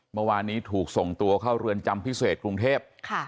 เมื่อวานนี้ถูกส่งตัวเข้าเรือนจำพิเศษกรุงเทพ